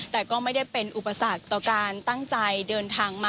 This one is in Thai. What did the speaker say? แต่ก็ไม่ได้เป็นอุปสรรคต่อการตั้งใจเดินทางมา